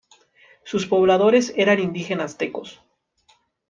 Sus pobladores eran indígenas tecos.